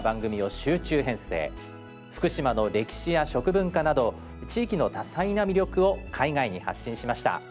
福島の歴史や食文化など地域の多彩な魅力を海外に発信しました。